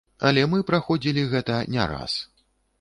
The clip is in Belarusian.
Але мы праходзілі гэта не раз.